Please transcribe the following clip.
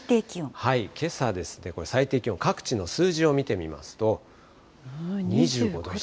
けさですね、最低気温、各地の数字を見てみますと、２５度。